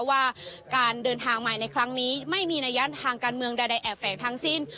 ว่าการเดินทางใหม่ในครั้งนี้ไม่มีนัยยะทางการเมืองใดแอบแฝงทั้งสิ้น